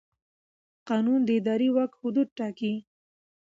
قانون د اداري واک حدود ټاکي.